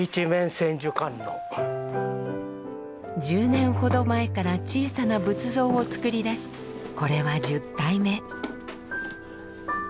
１０年ほど前から小さな仏像を作りだしこれは１０体目。